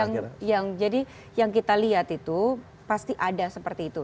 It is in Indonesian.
yang jadi yang kita lihat itu pasti ada seperti itu